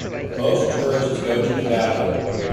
Most tourists go to the capital.